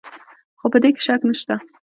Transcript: خو په دې کې شک نشته.